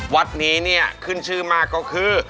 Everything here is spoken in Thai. วัดนี้ขึ้นชื่อมาก็คือ